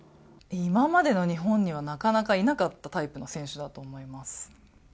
今までの日本にはなかなかいなかったタイプの選手だと思います。